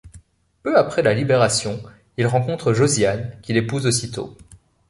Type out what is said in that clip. Peu après la Libération, il rencontre Josiane qu'il épouse aussitôt.